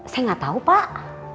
saya gak tahu pak